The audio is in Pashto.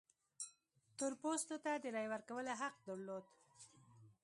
تور پوستو ته د رایې ورکولو حق درلود.